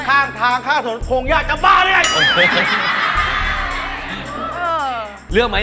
ข้างทางฆ่าสนผงแยกจับบ้าเลี่ยง